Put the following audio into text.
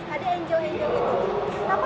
menarik mas ada angel angel itu